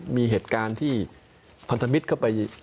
มีเหตุการณ์ที่พันธมิตรเข้าไป